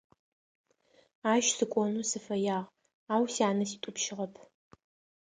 Ащ сыкӀонэу сыфэягъ, ау сянэ ситӀупщыгъэп.